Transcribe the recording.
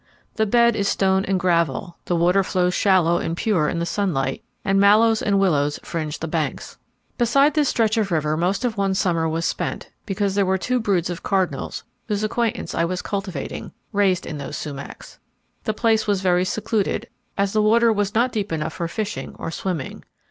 The bed is stone and gravel, the water flows shallow and pure in the sunlight, and mallows and willows fringe the banks. Beside this stretch of river most of one summer was spent, because there were two broods of cardinals, whose acquaintance I was cultivating, raised in those sumacs. The place was very secluded, as the water was not deep enough for fishing or swimming.